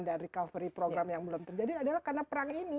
dan recovery program yang belum terjadi adalah karena perang ini